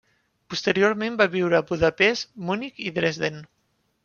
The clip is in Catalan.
Posteriorment va viure a Budapest, Munic i Dresden.